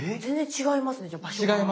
違いますね。